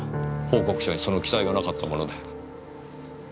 報告書にその記載がなかったもので。